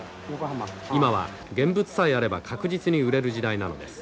今は現物さえあれば確実に売れる時代なのです。